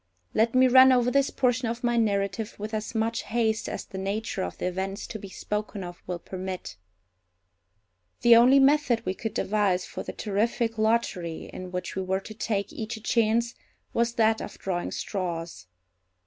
Let me run over this portion of my narrative with as much haste as the nature of the events to be spoken of will permit. The only method we could devise for the terrific lottery, in which we were to take each a chance, was that of drawing straws.